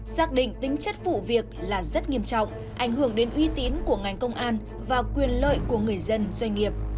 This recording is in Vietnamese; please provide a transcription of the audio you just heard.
xác định tính chất vụ việc là rất nghiêm trọng ảnh hưởng đến uy tín của ngành công an và quyền lợi của người dân doanh nghiệp